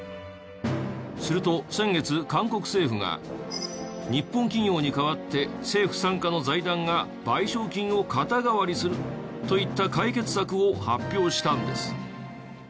すると先月韓国政府が日本企業に代わって政府傘下の財団が賠償金を肩代わりするといった解決策を発表したんです。